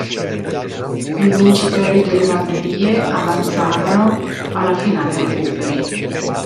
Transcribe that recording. I vincitori delle batterie avanzarono alla finale recuperi.